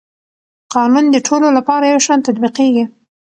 قانون د ټولو لپاره یو شان تطبیقېږي.